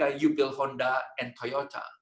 anda membangun honda dan toyota